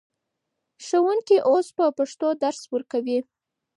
ښوونکي اوس په پښتو درس ورکوي.